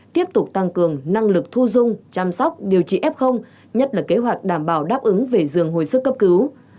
tiếp tục tăng cường năng lực thu dung chăm sóc điều trị f nhất là kế hoạch đảm bảo đáp ứng về giường hồi sức cấp cứu